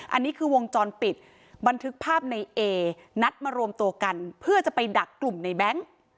อันนี้คือวงจรปิดบันทึกภาพในเอนัดมารวมตัวกันเพื่อจะไปดักกลุ่มในแบงค์